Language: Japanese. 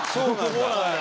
そうなんだ。